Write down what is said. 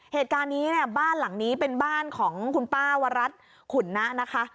เหตุการณ์นี้เนี่ยบ้านหลังนี้เป็นบ้านของคุณป้าวรัฐขุนนะนะคะ